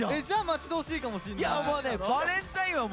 じゃあ待ち遠しいかもしんない。